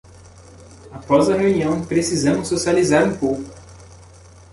Após a reunião, precisamos socializar um pouco!